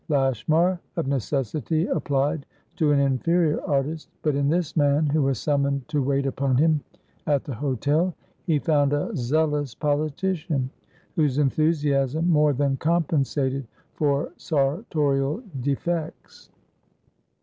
Lashmar of necessity applied to an inferior artist, but in this man, who was summoned to wait upon him at the hotel, he found a zealous politician, whose enthusiasm more than compensated for sartorial defects.